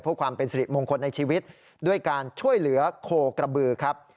เพื่อความเป็นสิริมงคลในชีวิตด้วยการช่วยเหลือโคกระบือครับ